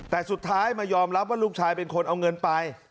แต่สุดท้ายมายอมรับว่าลูกชายเป็นคนเอาเงินไป